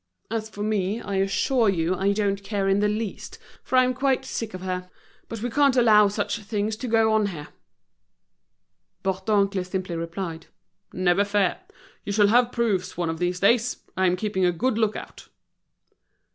As for me, I assure you I don't care in the least, for I'm quite sick of her. But we can't allow such things to go on here." Bourdoncle simply replied: "Never fear, you shall have proofs one of these days. I'm keeping a good look out."